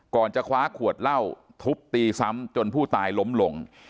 จะคว้าขวดเหล้าทุบตีซ้ำจนผู้ตายล้มลง